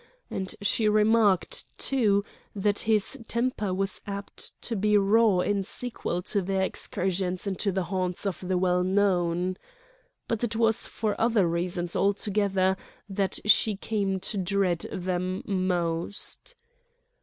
And she remarked, too, that his temper was apt to be raw in sequel to their excursions into the haunts of the well known. But it was for other reasons altogether that she came to dread them most.